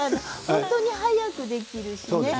本当に早くできるしね。